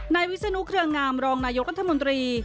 วิศนุเครืองามรองนายกรัฐมนตรี